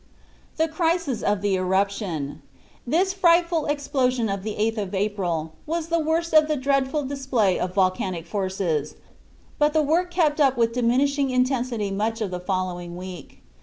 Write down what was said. THE CRISIS OF THE ERUPTION. This frightful explosion of the 8th of April was the worst of the dreadful display of volcanic forces, but the work kept up with diminishing intensity much of the following week.